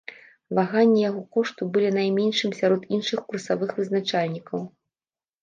Ваганні яго кошту былі найменшымі сярод іншых курсавых вызначальнікаў.